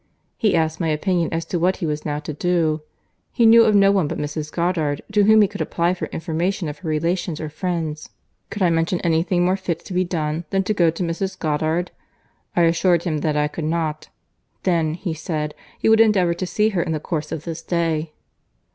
He asked my opinion as to what he was now to do. He knew of no one but Mrs. Goddard to whom he could apply for information of her relations or friends. Could I mention any thing more fit to be done, than to go to Mrs. Goddard? I assured him that I could not. Then, he said, he would endeavour to see her in the course of this day."